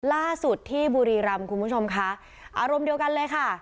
ล่าสุดที่บุรีรำคุณผู้ชมค่ะอารมณ์เดียวกันเลยค่ะ